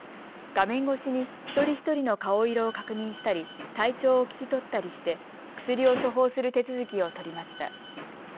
画面越しに一人一人の顔色を確認したり体調を聞き取ったりして薬を処方する手続きを取りました。